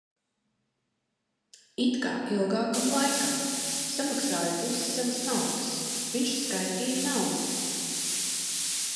It kā ilgākam laikam. Samaksāju pusi savas naudas. Viņš skaitīja naudu.